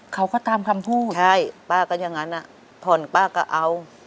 เขาก็ตามคำพูดใช่ป้าก็อย่างนั้นอ่ะผ่อนป้าก็เอา